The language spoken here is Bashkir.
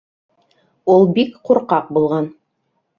Ул бик ҡурҡаҡ булған.